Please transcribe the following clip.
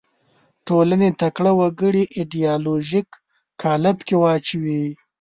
ټولنې تکړه وګړي ایدیالوژیک قالب کې واچوي